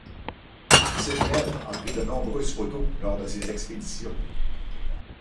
Arseniev a pris de nombreuses photos lors de ses expéditions.